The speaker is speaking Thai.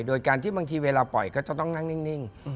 โดยการที่บางทีเวลาปล่อยก็จะต้องนั่งนิ่ง